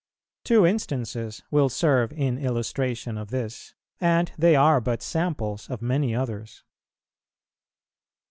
Two instances will serve in illustration of this, and they are but samples of many others.